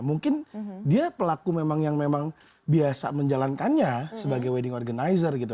mungkin dia pelaku yang memang biasa menjalankannya sebagai wedding organizer gitu